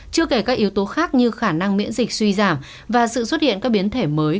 chưa kể các yếu tố khác như khả năng miễn dịch suy giảm và sự xuất hiện các biến thể mới